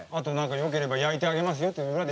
よければ焼いてあげますよって裏で。